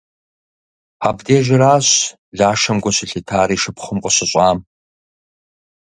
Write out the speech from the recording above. Абдежыращ Лашэм гу щылъитар и шыпхъум къыщыщӏам.